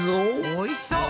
おいしそう！